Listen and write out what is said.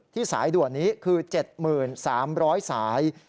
สายด่วนนี้คือ๗๓๐๐สาย